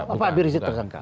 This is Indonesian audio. apa abirnya dia tersangka